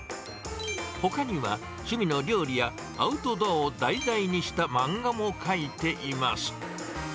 ほかには趣味の料理やアウトドアを題材にした漫画も描いています。